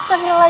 eh itu apa